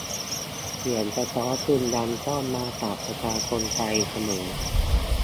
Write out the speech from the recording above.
เสียงสะท้อนจึงดังก้องมาจากประชาชนไทยเสมอ